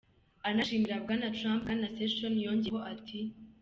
Anashimira Bwana Trump, Bwana Sessions yongeyeho ati:.